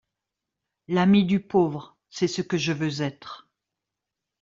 L’ami du pauvre, c’est ce que je veux être.